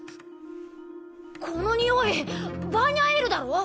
この匂いバーニャエールだろ？